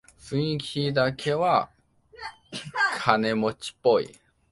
雰囲気だけは金持ちっぽい